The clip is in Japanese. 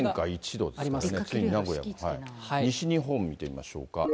西日本を見てみましょうか。